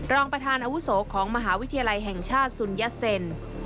รองประธานอาวุโสของมหาวิทยาลัยแห่งชาติสุนยะเซ็น